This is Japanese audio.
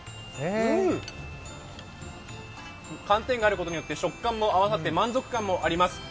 寒天があることによって食感も合わさって満足感もあります。